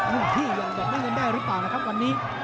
รุ่งที่อย่างเดินได้หรือเปล่านะครับวันนี้